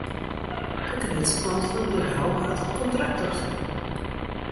De grutste klant fan it bedriuw hat it kontrakt opsein.